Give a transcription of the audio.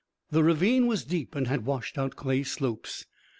The ravine was deep and had washed out clay slopes.